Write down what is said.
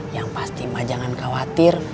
yang pasti ma jangan khawatir